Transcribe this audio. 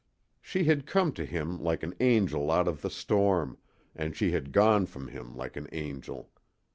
She had come to him like an angel out of the storm, and she had gone from him like an angel.